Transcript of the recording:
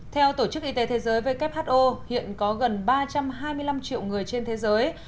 theo tổ chức y tế thế giới who hiện có gần ba trăm hai mươi năm triệu người trên thế giới